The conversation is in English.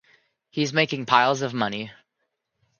He's making piles of money.